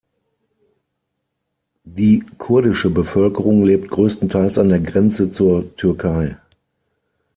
Die kurdische Bevölkerung lebt größtenteils an der Grenze zur Türkei.